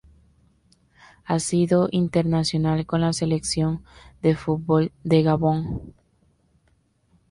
Ha sido internacional con la selección de fútbol de Gabón.